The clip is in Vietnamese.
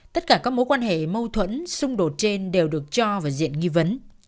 tất cả các mối quan hệ mâu thuẫn xung đột trên đều được cho vào diện nghi vấn